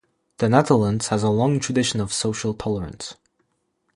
The Netherlands has a long tradition of social tolerance.